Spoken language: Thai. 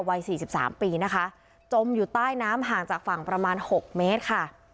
วัยสี่สิบสามปีนะคะจมอยู่ใต้น้ำห่างจากฝั่งประมาณ๖เมตรค่ะ